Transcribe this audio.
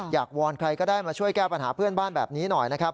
วอนใครก็ได้มาช่วยแก้ปัญหาเพื่อนบ้านแบบนี้หน่อยนะครับ